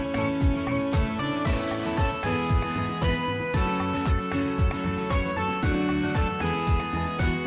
โปรดติดตามตอนต่อไป